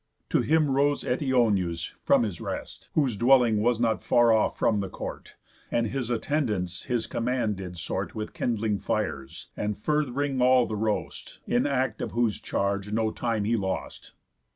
To him rose Eteoneus from his rest, Whose dwelling was not far off from the court, And his attendance his command did sort With kindling fires, and furth'ring all the roast, In act of whose charge heard no time he lost.